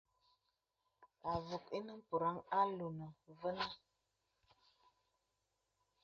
Àvùk ìnə mpùraŋ a loŋə nfīn.